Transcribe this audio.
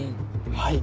はい。